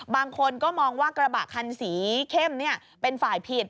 บางคนก็มองว่ากระบะคันสีเข้มเป็นฝ่ายผิด